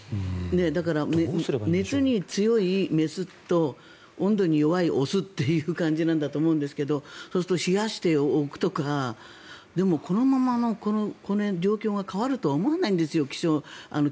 だから、熱に強い雌と温度に弱い雄という感じなんだと思うんですけどそうすると冷やしておくとかでも、このまま状況が変わるとは思えないんですよ。